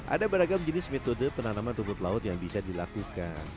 ada beragam jenis metode penanaman rumput laut yang bisa dilakukan